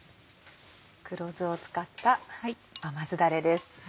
黒酢を使った甘酢ダレです。